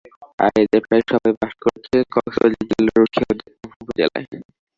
আর এদের প্রায় সবাই বাস করছে কক্সবাজার জেলার উখিয়া ও টেকনাফ উপজেলায়।